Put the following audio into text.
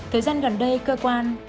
thời gian gần đây cơ quan